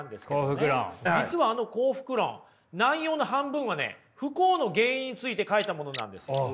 実はあの「幸福論」内容の半分はね不幸の原因について書いたものなんですよ。